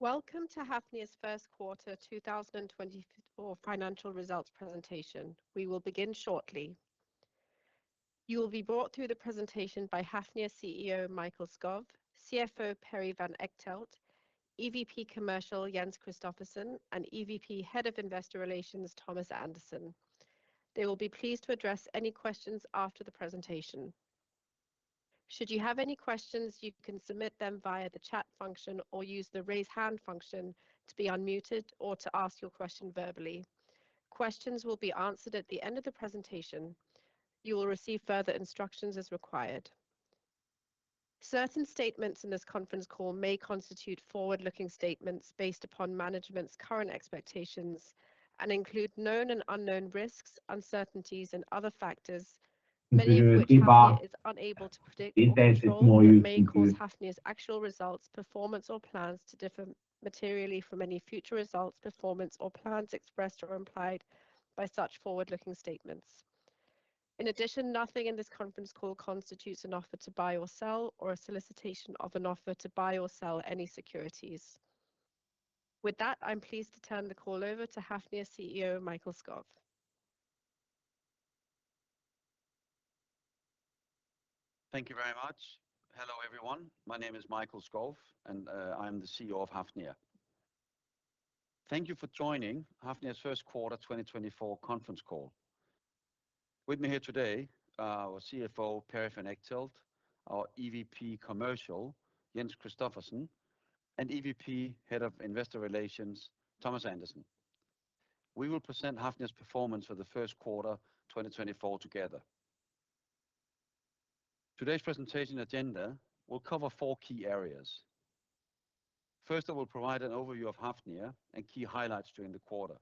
Welcome to Hafnia's first quarter 2024 financial results presentation. We will begin shortly. You will be brought through the presentation by Hafnia CEO Michael Skov, CFO Perry van Echtelt, EVP Commercial Jens Christophersen, and EVP Head of Investor Relations Thomas Andersen. They will be pleased to address any questions after the presentation. Should you have any questions, you can submit them via the chat function or use the raise hand function to be unmuted or to ask your question verbally. Questions will be answered at the end of the presentation. You will receive further instructions as required. Certain statements in this conference call may constitute forward-looking statements based upon management's current expectations and include known and unknown risks, uncertainties, and other factors many of which Hafnia is unable to predict. Events that may cause Hafnia's actual results, performance, or plans to differ materially from any future results, performance, or plans expressed or implied by such forward-looking statements. In addition, nothing in this conference call constitutes an offer to buy or sell, or a solicitation of an offer to buy or sell any securities. With that, I'm pleased to turn the call over to Hafnia CEO Michael Skov. Thank you very much. Hello everyone. My name is Mikael Skov, and I'm the CEO of Hafnia. Thank you for joining Hafnia's first quarter 2024 conference call. With me here today are our CFO Perry Van Echtelt, our EVP Commercial Jens Christophersen, and EVP Head of Investor Relations Thomas Andersen. We will present Hafnia's performance for the first quarter 2024 together. Today's presentation agenda will cover four key areas. First, I will provide an overview of Hafnia and key highlights during the quarter.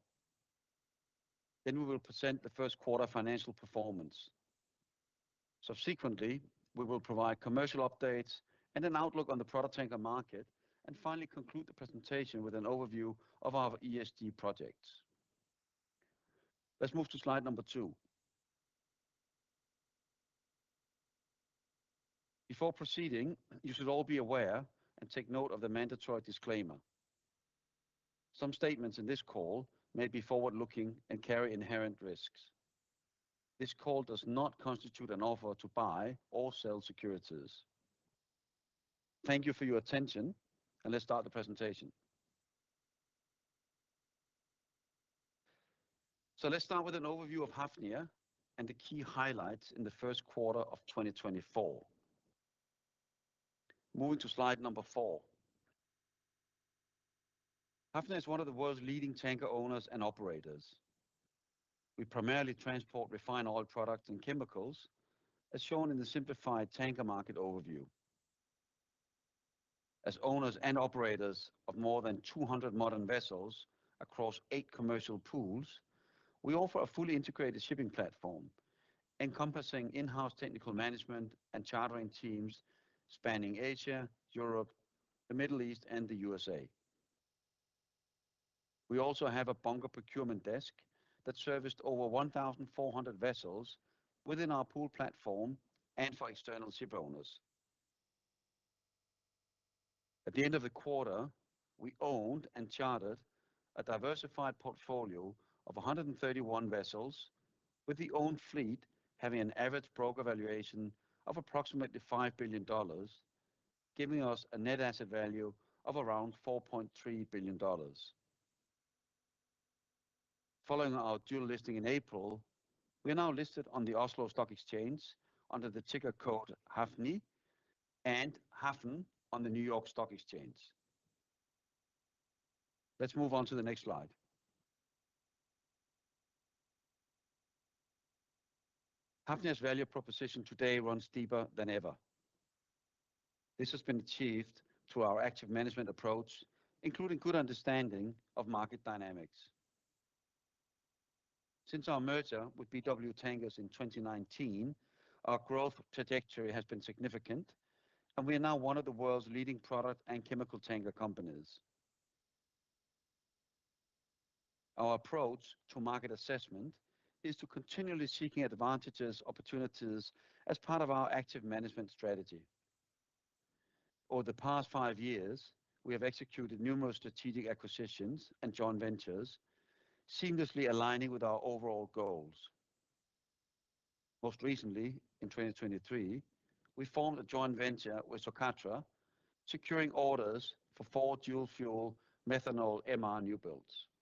Then we will present the first quarter financial performance. Subsequently, we will provide commercial updates and an outlook on the product tanker market, and finally conclude the presentation with an overview of our ESG projects. Let's move to slide number 2. Before proceeding, you should all be aware and take note of the mandatory disclaimer. Some statements in this call may be forward-looking and carry inherent risks. This call does not constitute an offer to buy or sell securities. Thank you for your attention, and let's start the presentation. So let's start with an overview of Hafnia and the key highlights in the first quarter of 2024. Moving to slide number 4. Hafnia is one of the world's leading tanker owners and operators. We primarily transport refined oil products and chemicals, as shown in the simplified tanker market overview. As owners and operators of more than 200 modern vessels across 8 commercial pools, we offer a fully integrated shipping platform encompassing in-house technical management and chartering teams spanning Asia, Europe, the Middle East, and the USA. We also have a bunker procurement desk that serviced over 1,400 vessels within our pool platform and for external ship owners. At the end of the quarter, we owned and chartered a diversified portfolio of 131 vessels, with the owned fleet having an average broker valuation of approximately $5 billion, giving us a net asset value of around $4.3 billion. Following our dual listing in April, we are now listed on the Oslo Stock Exchange under the ticker code HAFNI and HAFN on the New York Stock Exchange. Let's move on to the next slide. Hafnia's value proposition today runs deeper than ever. This has been achieved through our active management approach, including good understanding of market dynamics. Since our merger with BW Tankers in 2019, our growth trajectory has been significant, and we are now one of the world's leading product and chemical tanker companies. Our approach to market assessment is to continually seek advantages, opportunities as part of our active management strategy. Over the past five years, we have executed numerous strategic acquisitions and joint ventures, seamlessly aligning with our overall goals. Most recently, in 2023, we formed a joint venture with Socatra, securing orders for four dual-fuel methanol MR newbuilds. We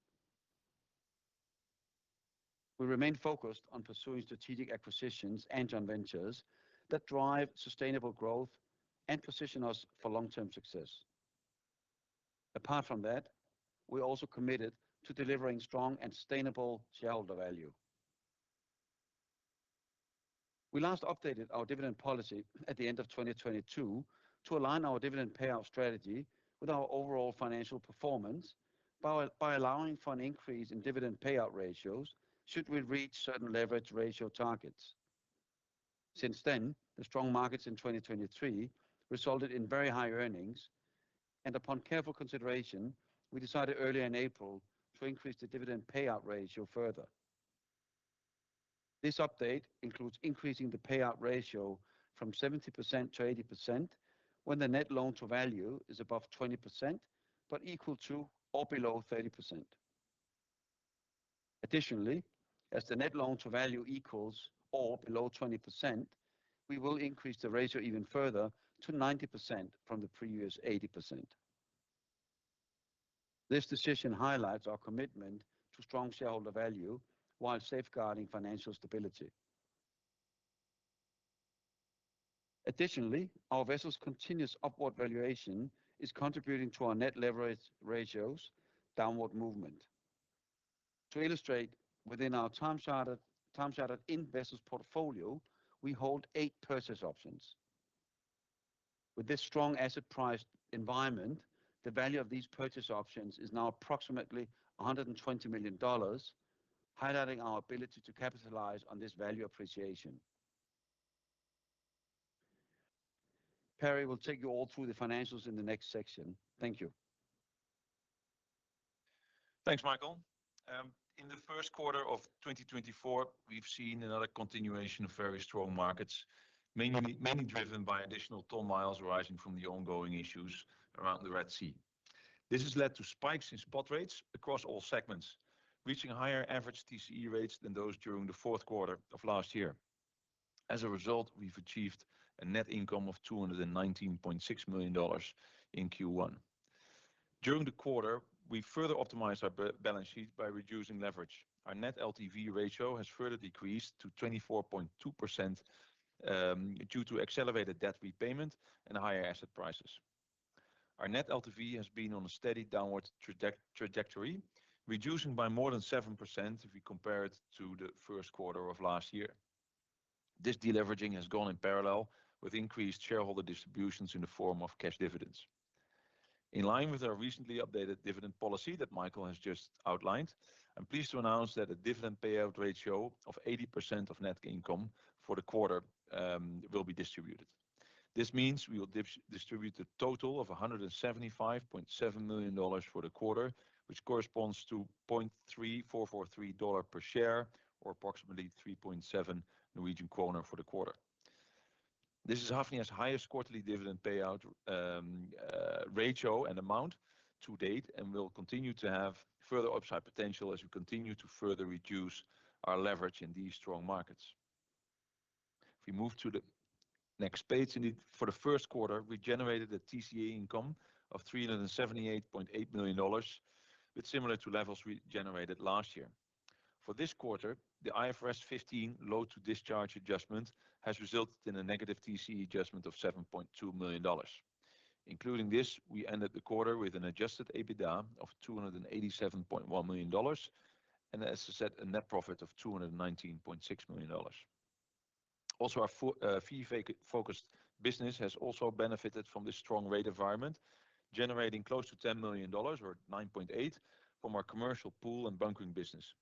remain focused on pursuing strategic acquisitions and joint ventures that drive sustainable growth and position us for long-term success. Apart from that, we are also committed to delivering strong and sustainable shareholder value. We last updated our dividend policy at the end of 2022 to align our dividend payout strategy with our overall financial performance by allowing for an increase in dividend payout ratios should we reach certain leverage ratio targets. Since then, the strong markets in 2023 resulted in very high earnings, and upon careful consideration, we decided earlier in April to increase the dividend payout ratio further. This update includes increasing the payout ratio from 70% to 80% when the net loan-to-value is above 20% but equal to or below 30%. Additionally, as the net loan-to-value equals or below 20%, we will increase the ratio even further to 90% from the previous 80%. This decision highlights our commitment to strong shareholder value while safeguarding financial stability. Additionally, our vessel's continuous upward valuation is contributing to our net leverage ratios' downward movement. To illustrate, within our time chartered-in vessels portfolio, we hold 8 purchase options. With this strong asset price environment, the value of these purchase options is now approximately $120 million, highlighting our ability to capitalize on this value appreciation. Perry will take you all through the financials in the next section. Thank you. Thanks, Mikael. In the first quarter of 2024, we've seen another continuation of very strong markets, mainly driven by additional ton miles arising from the ongoing issues around the Red Sea. This has led to spikes in spot rates across all segments, reaching higher average TCE rates than those during the fourth quarter of last year. As a result, we've achieved a net income of $219.6 million in Q1. During the quarter, we further optimized our balance sheet by reducing leverage. Our net LTV ratio has further decreased to 24.2% due to accelerated debt repayment and higher asset prices. Our net LTV has been on a steady downward trajectory, reducing by more than 7% if we compare it to the first quarter of last year. This deleveraging has gone in parallel with increased shareholder distributions in the form of cash dividends. In line with our recently updated dividend policy that Mikael has just outlined, I'm pleased to announce that a dividend payout ratio of 80% of net income for the quarter will be distributed. This means we will distribute a total of $175.7 million for the quarter, which corresponds to $0.3443 per share, or approximately 3.7 Norwegian kroner for the quarter. This is Hafnia's highest quarterly dividend payout ratio and amount to date and will continue to have further upside potential as we continue to further reduce our leverage in these strong markets. If we move to the next page, for the first quarter, we generated a TCE income of $378.8 million, similar to levels we generated last year. For this quarter, the IFRS 15 load-to-discharge adjustment has resulted in a negative TCE adjustment of $7.2 million. Including this, we ended the quarter with an adjusted EBITDA of $287.1 million and, as I said, a net profit of $219.6 million. Also, our fee-focused business has also benefited from this strong rate environment, generating close to $10 million, or $9.8 million, from our commercial pool and bunkering business.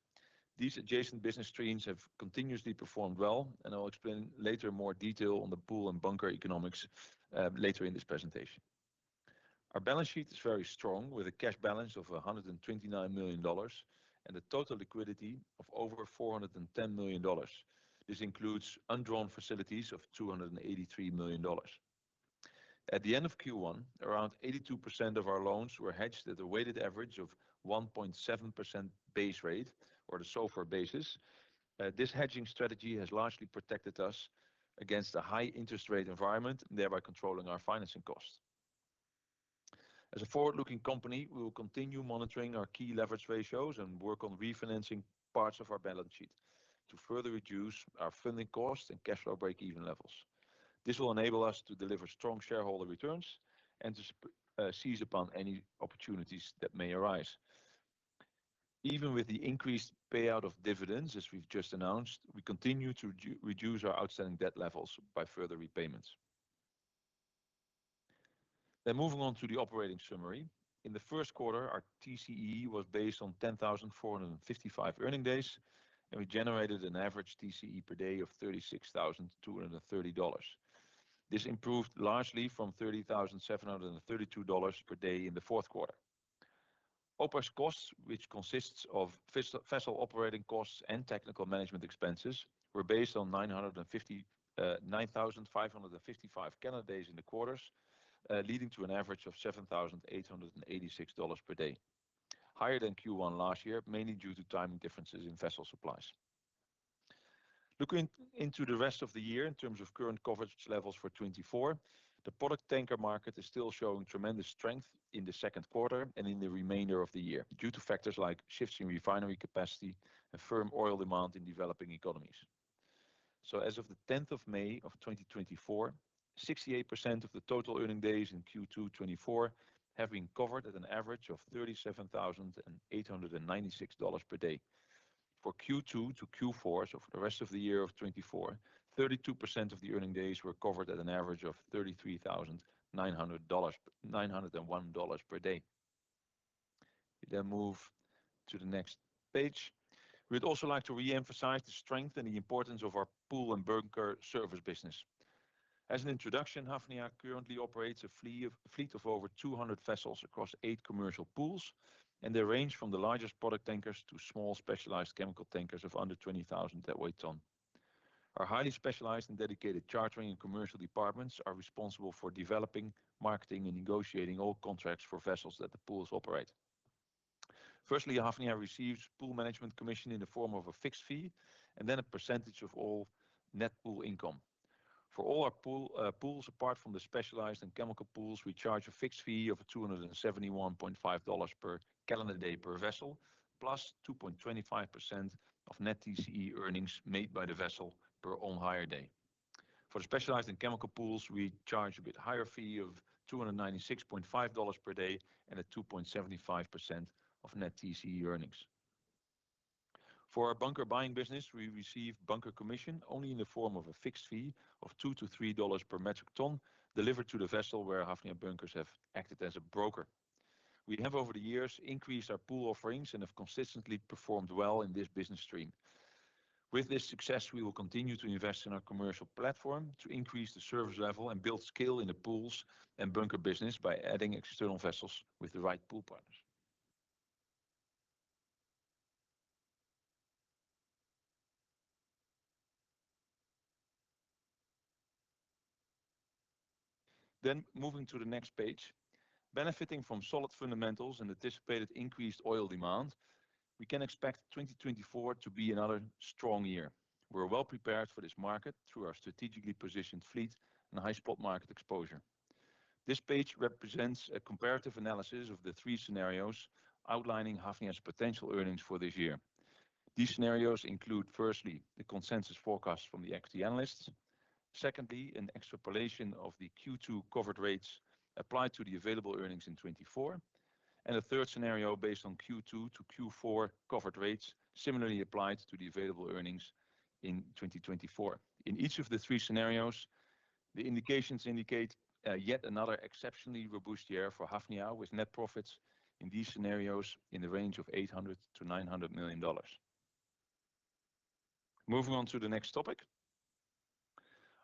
These adjacent business streams have continuously performed well, and I'll explain later more detail on the pool and bunker economics later in this presentation. Our balance sheet is very strong, with a cash balance of $129 million and a total liquidity of over $410 million. This includes undrawn facilities of $283 million. At the end of Q1, around 82% of our loans were hedged at a weighted average of 1.7% base rate, or SOFR basis. This hedging strategy has largely protected us against the high interest rate environment, thereby controlling our financing costs. As a forward-looking company, we will continue monitoring our key leverage ratios and work on refinancing parts of our balance sheet to further reduce our funding costs and cash flow break-even levels. This will enable us to deliver strong shareholder returns and to seize upon any opportunities that may arise. Even with the increased payout of dividends, as we've just announced, we continue to reduce our outstanding debt levels by further repayments. Moving on to the operating summary. In the first quarter, our TCE was based on 10,455 earning days, and we generated an average TCE per day of $36,230. This improved largely from $30,732 per day in the fourth quarter. OPEX costs, which consist of vessel operating costs and technical management expenses, were based on 9,555 calendar days in the quarters, leading to an average of $7,886 per day, higher than Q1 last year, mainly due to timing differences in vessel supplies. Looking into the rest of the year in terms of current coverage levels for 2024, the product tanker market is still showing tremendous strength in the second quarter and in the remainder of the year due to factors like shifts in refinery capacity and firm oil demand in developing economies. So as of the 10th of May of 2024, 68% of the total earning days in Q2 2024 have been covered at an average of $37,896 per day. For Q2 to Q4 of the rest of the year of 2024, 32% of the earning days were covered at an average of $33,901 per day. If we then move to the next page, we'd also like to re-emphasize the strength and the importance of our pool and bunker service business. As an introduction, Hafnia currently operates a fleet of over 200 vessels across eight commercial pools, and they range from the largest product tankers to small specialized chemical tankers of under 20,000 deadweight tonne. Our highly specialized and dedicated chartering and commercial departments are responsible for developing, marketing, and negotiating all contracts for vessels that the pools operate. Firstly, Hafnia receives pool management commission in the form of a fixed fee and then a percentage of all net pool income. For all our pools, apart from the specialized and chemical pools, we charge a fixed fee of $271.5 per calendar day per vessel, plus 2.25% of net TCE earnings made by the vessel per on-hire day. For the specialized and chemical pools, we charge a bit higher fee of $296.5 per day and a 2.75% of net TCE earnings. For our bunker buying business, we receive bunker commission only in the form of a fixed fee of $2-$3 per metric ton delivered to the vessel where Hafnia Bunkers have acted as a broker. We have, over the years, increased our pool offerings and have consistently performed well in this business stream. With this success, we will continue to invest in our commercial platform to increase the service level and build skill in the pools and bunker business by adding external vessels with the right pool partners. Then moving to the next page, benefiting from solid fundamentals and anticipated increased oil demand, we can expect 2024 to be another strong year. We're well prepared for this market through our strategically positioned fleet and high spot market exposure. This page represents a comparative analysis of the three scenarios outlining Hafnia's potential earnings for this year. These scenarios include, firstly, the consensus forecast from the equity analysts. Secondly, an extrapolation of the Q2 covered rates applied to the available earnings in 2024, and a third scenario based on Q2 to Q4 covered rates similarly applied to the available earnings in 2024. In each of the three scenarios, the indications indicate yet another exceptionally robust year for Hafnia, with net profits in these scenarios in the range of $800-$900 million. Moving on to the next topic.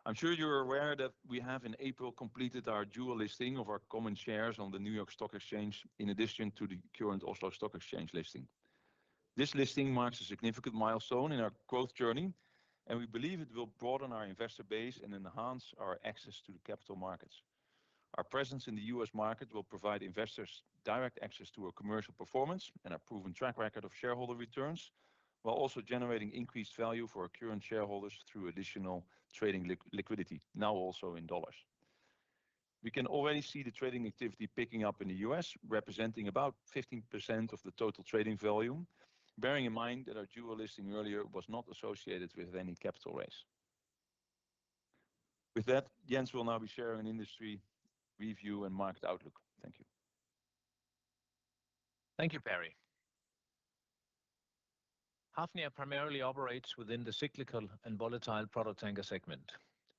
I'm sure you're aware that we have, in April, completed our dual listing of our common shares on the New York Stock Exchange in addition to the current Oslo Stock Exchange listing. This listing marks a significant milestone in our growth journey, and we believe it will broaden our investor base and enhance our access to the capital markets. Our presence in the U.S. market will provide investors direct access to our commercial performance and our proven track record of shareholder returns, while also generating increased value for our current shareholders through additional trading liquidity, now also in dollars. We can already see the trading activity picking up in the U.S., representing about 15% of the total trading volume, bearing in mind that our dual listing earlier was not associated with any capital raise. With that, Jens will now be sharing an industry review and market outlook. Thank you. Thank you, Perry. Hafnia primarily operates within the cyclical and volatile product tanker segment.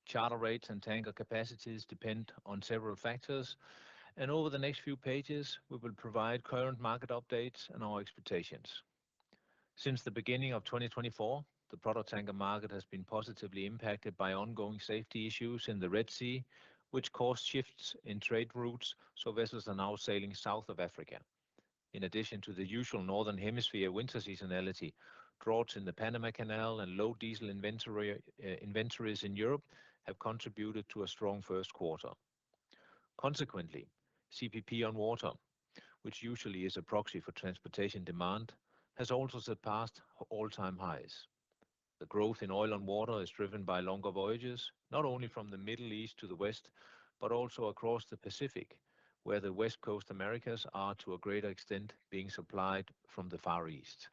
Charter rates and tanker capacities depend on several factors, and over the next few pages, we will provide current market updates and our expectations. Since the beginning of 2024, the product tanker market has been positively impacted by ongoing safety issues in the Red Sea, which caused shifts in trade routes, for vessels are now sailing south of Africa. In addition to the usual northern hemisphere winter seasonality, droughts in the Panama Canal and low diesel inventories in Europe have contributed to a strong first quarter. Consequently, CPP on water, which usually is a proxy for transportation demand, has also surpassed all-time highs. The growth in oil on water is driven by longer voyages, not only from the Middle East to the West but also across the Pacific, where the West Coast Americas are, to a greater extent, being supplied from the Far East.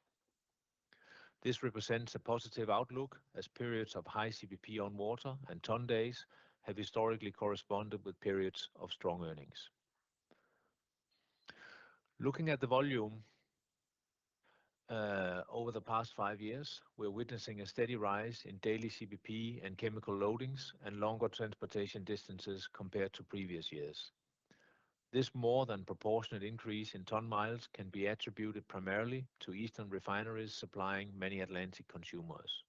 This represents a positive outlook as periods of high CPP on water and ton days have historically corresponded with periods of strong earnings. Looking at the volume over the past five years, we're witnessing a steady rise in daily CPP and chemical loadings and longer transportation distances compared to previous years. This more than proportionate increase in ton miles can be attributed primarily to eastern refineries supplying many Atlantic consumers.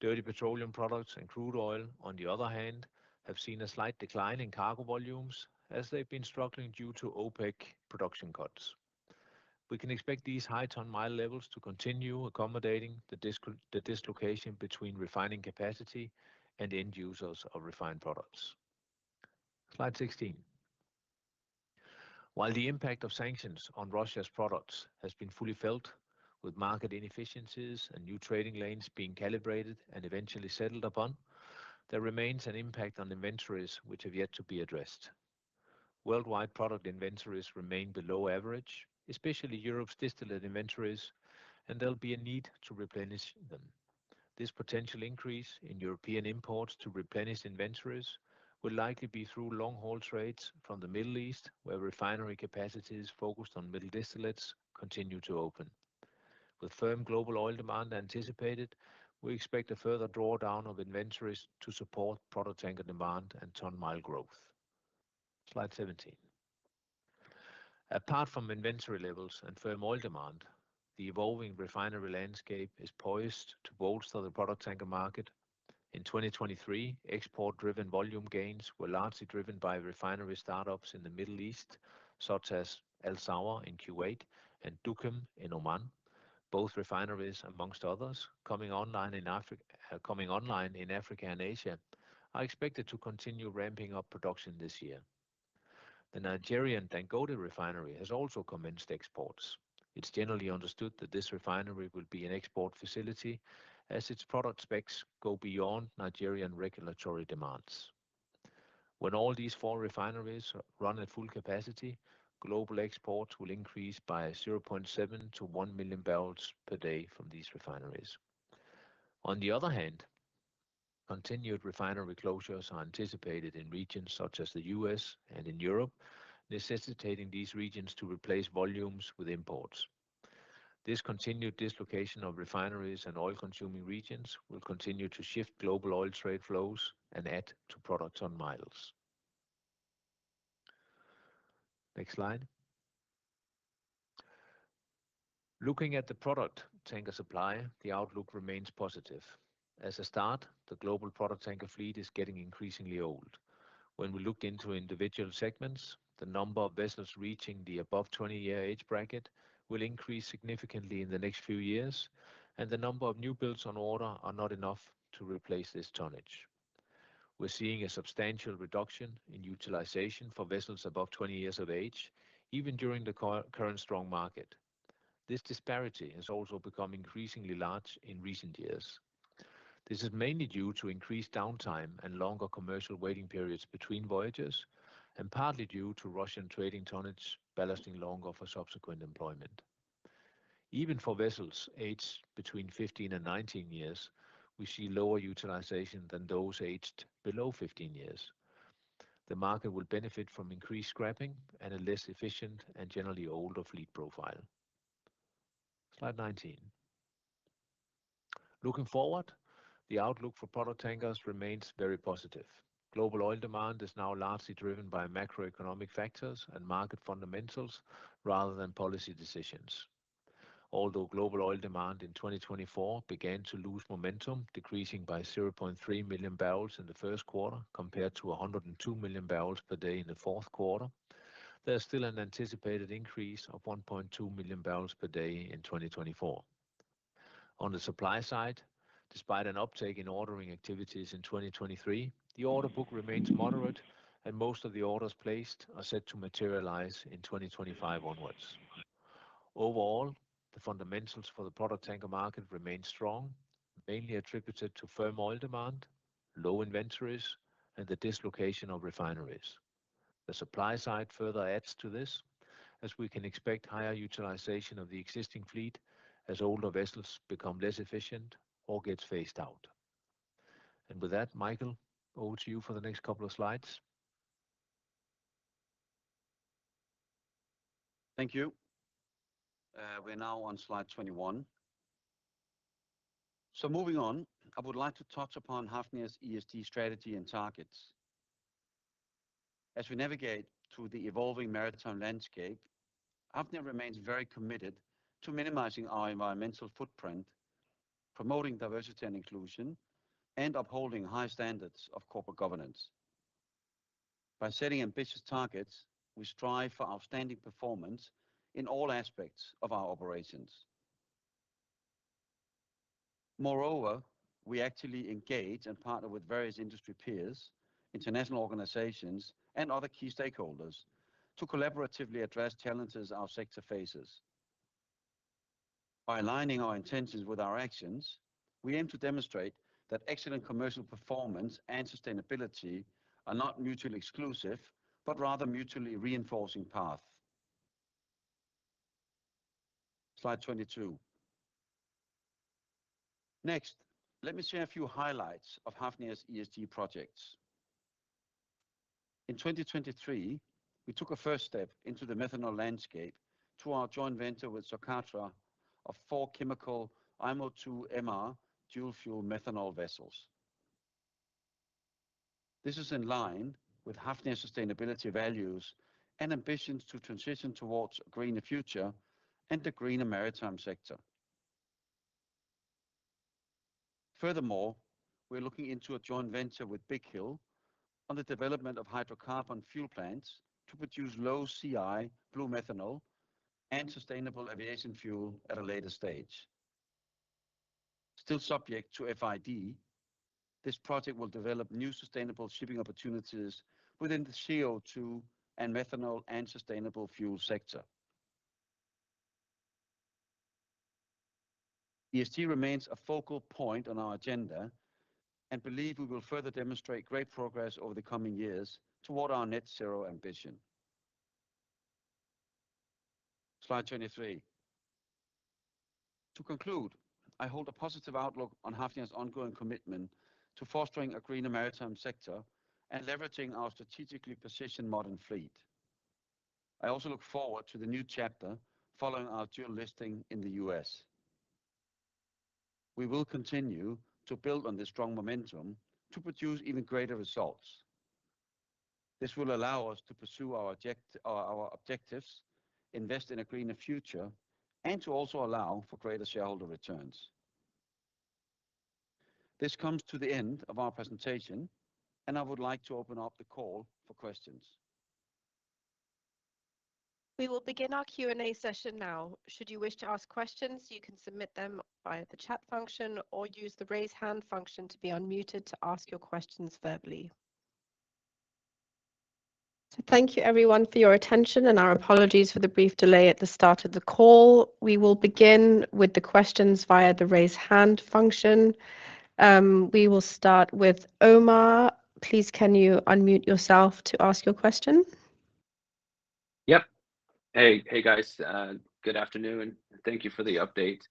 Dirty petroleum products and crude oil, on the other hand, have seen a slight decline in cargo volumes as they've been struggling due to OPEC production cuts. We can expect these high ton mile levels to continue accommodating the dislocation between refining capacity and end users of refined products. Slide 16. While the impact of sanctions on Russia's products has been fully felt, with market inefficiencies and new trading lanes being calibrated and eventually settled upon, there remains an impact on inventories which have yet to be addressed. Worldwide product inventories remain below average, especially Europe's distillate inventories, and there'll be a need to replenish them. This potential increase in European imports to replenish inventories will likely be through long-haul trades from the Middle East, where refinery capacities focused on middle distillates continue to open. With firm global oil demand anticipated, we expect a further drawdown of inventories to support product tanker demand and ton mile growth. Slide 17. Apart from inventory levels and firm oil demand, the evolving refinery landscape is poised to bolster the product tanker market. In 2023, export-driven volume gains were largely driven by refinery startups in the Middle East, such as Al Zour in Kuwait and Duqm in Oman. Both refineries, among others, coming online in Africa and Asia are expected to continue ramping up production this year. The Nigerian Dangote Refinery has also commenced exports. It's generally understood that this refinery will be an export facility as its product specs go beyond Nigerian regulatory demands. When all these four refineries run at full capacity, global exports will increase by 0.7-1 million barrels per day from these refineries. On the other hand, continued refinery closures are anticipated in regions such as the U.S. and in Europe, necessitating these regions to replace volumes with imports. This continued dislocation of refineries and oil-consuming regions will continue to shift global oil trade flows and add to product ton miles. Next slide. Looking at the product tanker supply, the outlook remains positive. As a start, the global product tanker fleet is getting increasingly old. When we look into individual segments, the number of vessels reaching the above 20-year age bracket will increase significantly in the next few years, and the number of new builds on order are not enough to replace this tonnage. We're seeing a substantial reduction in utilization for vessels above 20 years of age, even during the current strong market. This disparity has also become increasingly large in recent years. This is mainly due to increased downtime and longer commercial waiting periods between voyages, and partly due to Russian trading tonnage ballasting longer for subsequent employment. Even for vessels aged between 15 and 19 years, we see lower utilization than those aged below 15 years. The market will benefit from increased scrapping and a less efficient and generally older fleet profile. Slide 19. Looking forward, the outlook for product tankers remains very positive. Global oil demand is now largely driven by macroeconomic factors and market fundamentals rather than policy decisions. Although global oil demand in 2024 began to lose momentum, decreasing by 0.3 million barrels in the first quarter compared to 102 million barrels per day in the fourth quarter, there's still an anticipated increase of 1.2 million barrels per day in 2024. On the supply side, despite an uptake in ordering activities in 2023, the order book remains moderate, and most of the orders placed are set to materialize in 2025 onwards. Overall, the fundamentals for the product tanker market remain strong, mainly attributed to firm oil demand, low inventories, and the dislocation of refineries. The supply side further adds to this, as we can expect higher utilization of the existing fleet as older vessels become less efficient or get phased out. And with that, Michael, over to you for the next couple of slides. Thank you. We're now on slide 21. Moving on, I would like to touch upon Hafnia's ESG strategy and targets. As we navigate through the evolving maritime landscape, Hafnia remains very committed to minimizing our environmental footprint, promoting diversity and inclusion, and upholding high standards of corporate governance. By setting ambitious targets, we strive for outstanding performance in all aspects of our operations. Moreover, we actively engage and partner with various industry peers, international organizations, and other key stakeholders to collaboratively address challenges our sector faces. By aligning our intentions with our actions, we aim to demonstrate that excellent commercial performance and sustainability are not mutually exclusive but rather mutually reinforcing paths. Slide 22. Next, let me share a few highlights of Hafnia's ESG projects. In 2023, we took a first step into the methanol landscape through our joint venture with Socatra of four chemical IMO2 MR dual-fuel methanol vessels. This is in line with Hafnia's sustainability values and ambitions to transition towards a greener future and the greener maritime sector. Furthermore, we're looking into a joint venture with Big Hill on the development of hydrocarbon fuel plants to produce low CI blue methanol and sustainable aviation fuel at a later stage. Still subject to FID, this project will develop new sustainable shipping opportunities within the CO2 and methanol and sustainable fuel sector. ESG remains a focal point on our agenda and believe we will further demonstrate great progress over the coming years toward our net-zero ambition. Slide 23. To conclude, I hold a positive outlook on Hafnia's ongoing commitment to fostering a greener maritime sector and leveraging our strategically positioned modern fleet. I also look forward to the new chapter following our dual listing in the US. We will continue to build on this strong momentum to produce even greater results. This will allow us to pursue our objectives, invest in a greener future, and to also allow for greater shareholder returns. This comes to the end of our presentation, and I would like to open up the call for questions. We will begin our Q&A session now. Should you wish to ask questions, you can submit them via the chat function or use the raise hand function to be unmuted to ask your questions verbally. So thank you, everyone, for your attention, and our apologies for the brief delay at the start of the call. We will begin with the questions via the raise hand function. We will start with Omar. Please, can you unmute yourself to ask your question? Yep. Hey, hey guys. Good afternoon. Thank you for the update.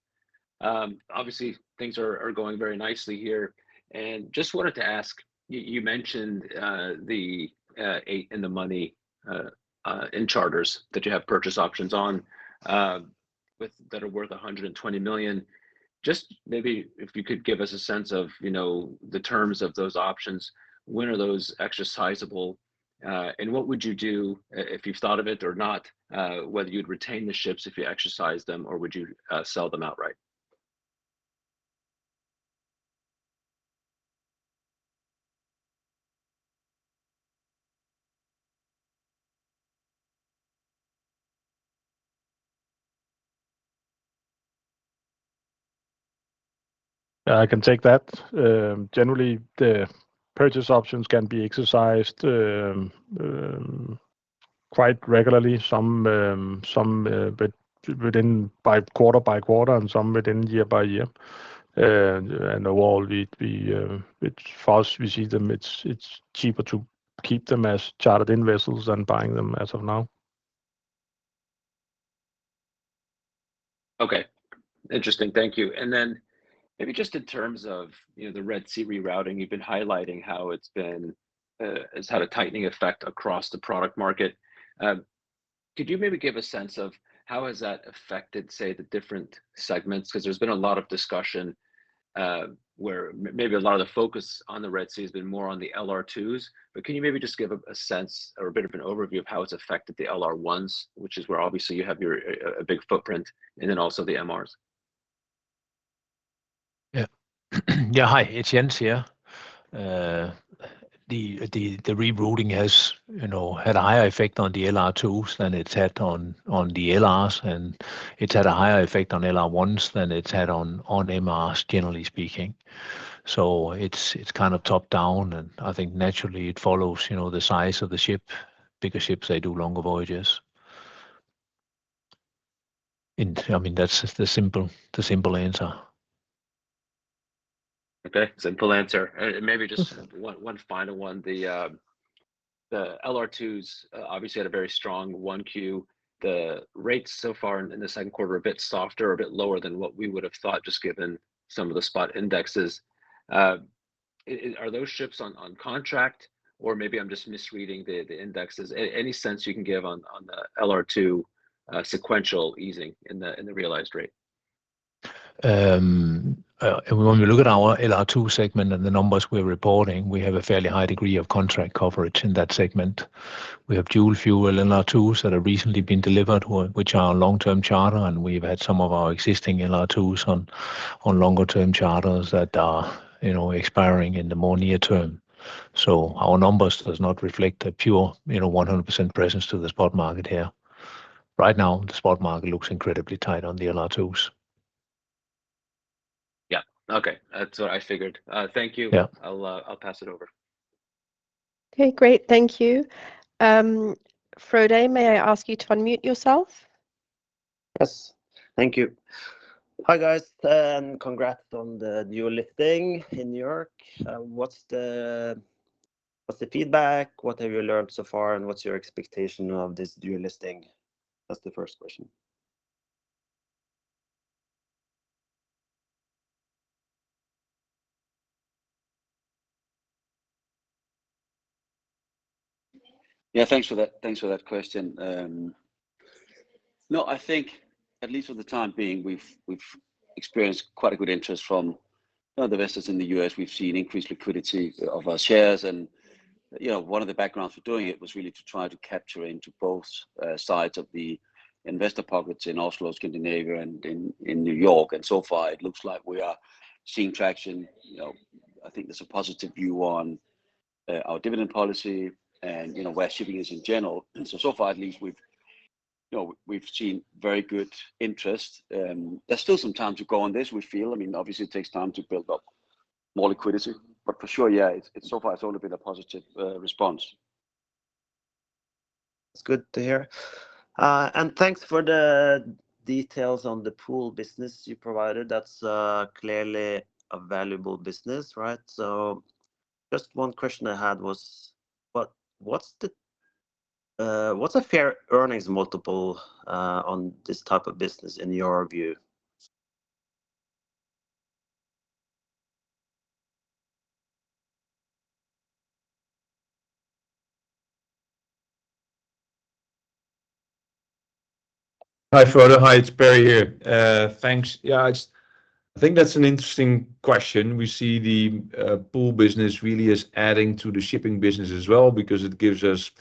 Obviously, things are going very nicely here. And just wanted to ask, you mentioned the 8 in the money in charters that you have purchase options on that are worth $120 million. Just maybe if you could give us a sense of the terms of those options, when are those exercisable, and what would you do if you've thought of it or not, whether you'd retain the ships if you exercise them or would you sell them outright? I can take that. Generally, the purchase options can be exercised quite regularly, some within quarter by quarter and some within year by year. And overall, for us, we see them as cheaper to keep them as chartered-in vessels than buying them as of now. Okay. Interesting. Thank you. And then maybe just in terms of the Red Sea rerouting, you've been highlighting how it's had a tightening effect across the product market. Could you maybe give a sense of how has that affected, say, the different segments? Because there's been a lot of discussion where maybe a lot of the focus on the Red Sea has been more on the LR2s, but can you maybe just give a sense or a bit of an overview of how it's affected the LR1s, which is where obviously you have a big footprint, and then also the MRs? Yeah. Yeah, hi. It's Jens here. The rerouting has had a higher effect on the LR2s than it's had on the LRs, and it's had a higher effect on LR1s than it's had on MRs, generally speaking. So it's kind of top-down, and I think naturally it follows the size of the ship. Bigger ships, they do longer voyages. I mean, that's the simple answer. Okay. Simple answer. And maybe just one final one. The LR2s obviously had a very strong 1Q. The rates so far in the second quarter are a bit softer, a bit lower than what we would have thought just given some of the spot indexes. Are those ships on contract, or maybe I'm just misreading the indexes? Any sense you can give on the LR2 sequential easing in the realized rate? When we look at our LR2 segment and the numbers we're reporting, we have a fairly high degree of contract coverage in that segment. We have dual-fuel LR2s that have recently been delivered, which are long-term charter, and we've had some of our existing LR2s on longer-term charters that are expiring in the more near term. So our numbers do not reflect a pure 100% presence to the spot market here. Right now, the spot market looks incredibly tight on the LR2s. Yeah. Okay. That's what I figured. Thank you. I'll pass it over. Okay. Great. Thank you. Frode, may I ask you to unmute yourself? Yes. Thank you. Hi guys. Congrats on the dual listing in New York. What's the feedback? What have you learned so far, and what's your expectation of this dual listing? That's the first question. Yeah. Thanks for that question. No, I think at least for the time being, we've experienced quite a good interest from the investors in the US. We've seen increased liquidity of our shares. And one of the backgrounds for doing it was really to try to capture into both sides of the investor pockets in Oslo, Scandinavia, and in New York. And so far, it looks like we are seeing traction. I think there's a positive view on our dividend policy and where shipping is in general. And so far, at least, we've seen very good interest. There's still some time to go on this, we feel. I mean, obviously, it takes time to build up more liquidity. But for sure, yeah, so far, it's only been a positive response. That's good to hear. And thanks for the details on the pool business you provided. That's clearly a valuable business, right? So just one question I had was, what's a fair earnings multiple on this type of business in your view? Hi Frode. Hi. It's Perry here. Thanks. Yeah, I think that's an interesting question. We see the pool business really is adding to the shipping business as well because it gives us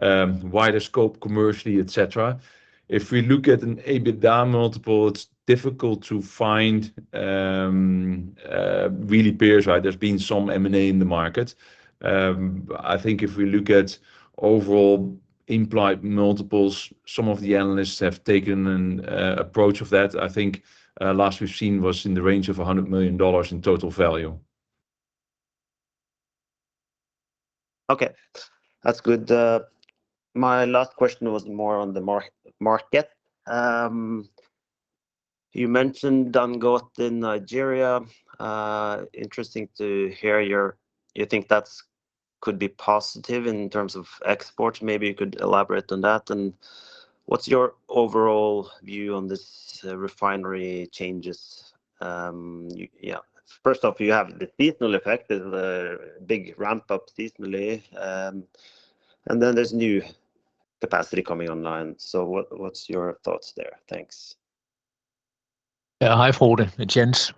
wider scope commercially, etc. If we look at an EBITDA multiple, it's difficult to find real peers, right? There's been some M&A in the market. I think if we look at overall implied multiples, some of the analysts have taken an approach of that. I think last we've seen was in the range of $100 million in total value. Okay. That's good. My last question was more on the market. You mentioned Dangote in Nigeria. Interesting to hear you think that could be positive in terms of exports. Maybe you could elaborate on that. And what's your overall view on these refinery changes? Yeah. First off, you have the seasonal effect, the big ramp-up seasonally. And then there's new capacity coming online. So what's your thoughts there? Thanks. Yeah. Hi, Frode. It's Jens.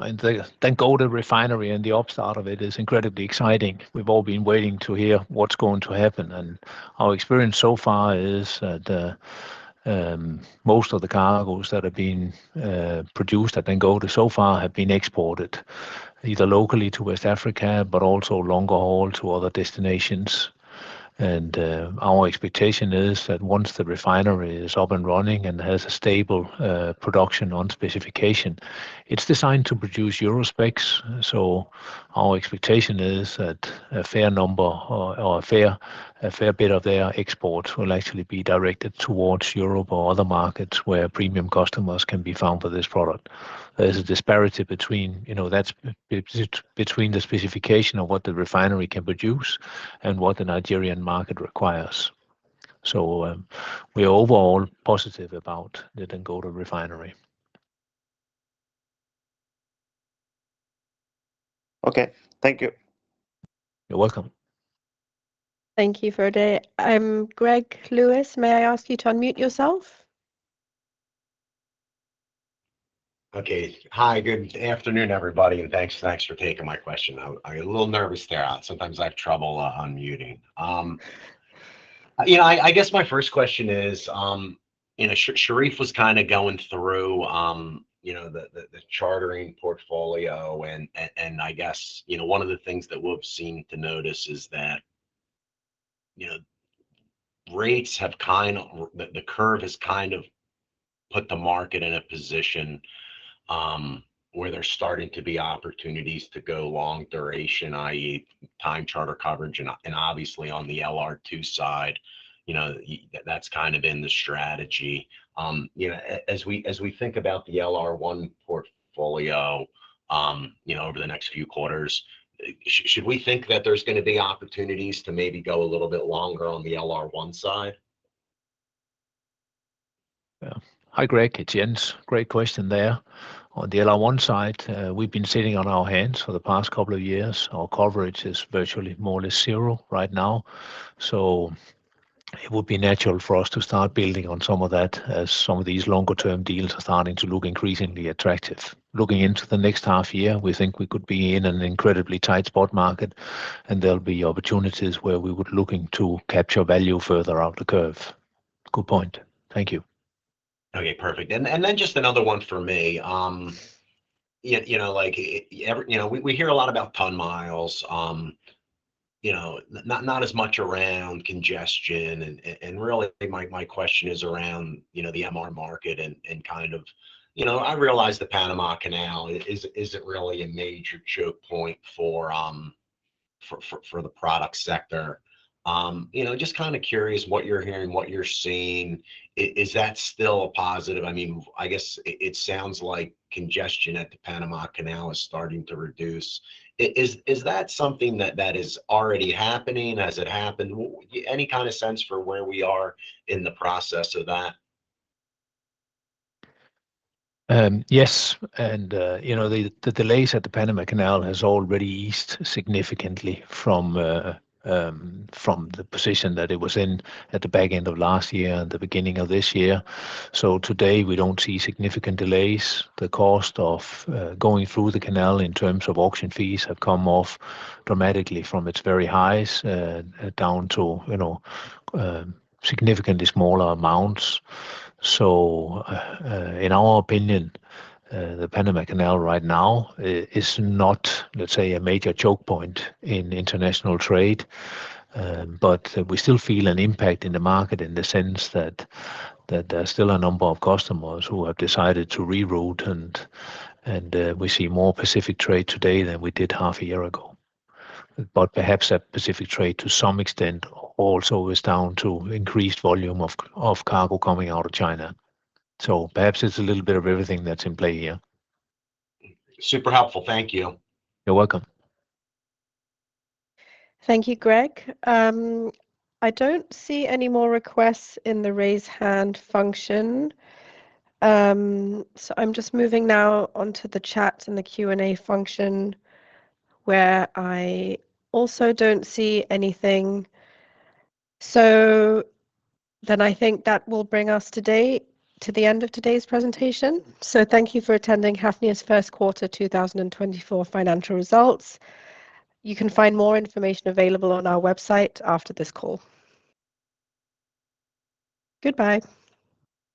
I think Dangote refinery and the ops side of it is incredibly exciting. We've all been waiting to hear what's going to happen. And our experience so far is that most of the cargoes that have been produced at Dangote so far have been exported either locally to West Africa, but also longer haul to other destinations. Our expectation is that once the refinery is up and running and has a stable production on specification, it's designed to produce Euro specs. So our expectation is that a fair number or a fair bit of their exports will actually be directed towards Europe or other markets where premium customers can be found for this product. There's a disparity between that's between the specification of what the refinery can produce and what the Nigerian market requires. So we're overall positive about the Dangote refinery. Okay. Thank you. You're welcome. Thank you, Frode. I'm Greg Lewis. May I ask you to unmute yourself? Okay. Hi. Good afternoon, everybody. And thanks for taking my question. I'm a little nervous there. Sometimes I have trouble unmuting. I guess my first question is, Sharif was kind of going through the chartering portfolio. And I guess one of the things that we've seemed to notice is that rates have kind of the curve has kind of put the market in a position where there's starting to be opportunities to go long duration, i.e., time charter coverage. And obviously, on the LR2 side, that's kind of been the strategy. As we think about the LR1 portfolio over the next few quarters, should we think that there's going to be opportunities to maybe go a little bit longer on the LR1 side? Yeah. Hi Greg. It's Jens. Great question there. On the LR1 side, we've been sitting on our hands for the past couple of years. Our coverage is virtually more or less zero right now. So it would be natural for us to start building on some of that as some of these longer-term deals are starting to look increasingly attractive. Looking into the next half year, we think we could be in an incredibly tight spot market, and there'll be opportunities where we would be looking to capture value further out the curve. Good point. Thank you. Okay. Perfect. And then just another one for me. We hear a lot about ton miles, not as much around congestion. And really, my question is around the MR market and kind of I realize the Panama Canal isn't really a major choke point for the product sector. Just kind of curious what you're hearing, what you're seeing. Is that still a positive? I mean, I guess it sounds like congestion at the Panama Canal is starting to reduce. Is that something that is already happening as it happened? Any kind of sense for where we are in the process of that? Yes. The delays at the Panama Canal have already eased significantly from the position that it was in at the back end of last year and the beginning of this year. Today, we don't see significant delays. The cost of going through the canal in terms of auction fees have come off dramatically from its very highs down to significantly smaller amounts. In our opinion, the Panama Canal right now is not, let's say, a major choke point in international trade. But we still feel an impact in the market in the sense that there's still a number of customers who have decided to reroute, and we see more Pacific trade today than we did half a year ago. But perhaps that Pacific trade, to some extent, also is down to increased volume of cargo coming out of China. So perhaps it's a little bit of everything that's in play here. Super helpful. Thank you. You're welcome. Thank you, Greg. I don't see any more requests in the raise hand function. So I'm just moving now onto the chat and the Q&A function where I also don't see anything. So then I think that will bring us to the end of today's presentation. So thank you for attending Hafnia's first quarter 2024 financial results. You can find more information available on our website after this call. Goodbye.